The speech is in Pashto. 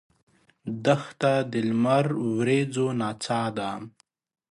دښته د لمر وریځو نڅا ده.